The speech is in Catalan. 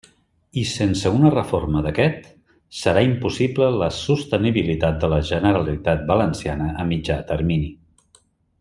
I sense una reforma d'aquest, serà impossible la sostenibilitat de la Generalitat Valenciana a mitjà termini.